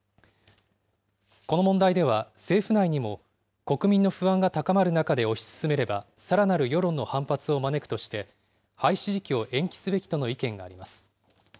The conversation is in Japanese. この問題では、政府内にも国民の不安が高まる中で推し進めれば、さらなる世論の反発を招くとして、廃止時期を延期すべきとの意見があります。